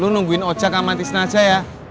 lu nungguin ojak sama tisna aja ya